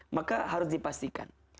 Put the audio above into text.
maka harus dipastikan